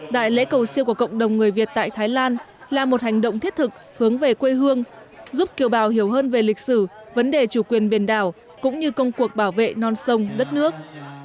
đại lễ cầu siêu của cộng đồng người việt tại thái lan là một hành động thiết thực hướng về quê hương giúp kiều bào hiểu hơn về lịch sử vấn đề chủ quyền biển đảo cũng như công cuộc bảo vệ non sông đất nước